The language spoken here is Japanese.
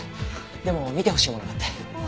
でも見てほしいものがあって。